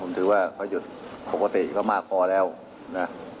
ผมถือว่าเขาหยุดปกติก็มากพอแล้วนะ